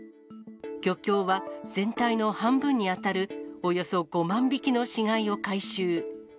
漁協は全体の半分に当たるおよそ５万匹の死骸を回収。